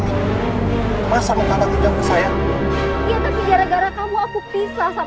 di malah ngalah inside di lappang